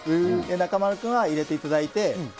中丸君は入れていただいて。